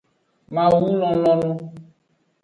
Mawu lonlonu.